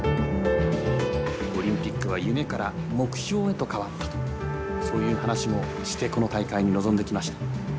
オリンピックは夢から目標へと変わったとそういう話もしてこの大会に臨んできました。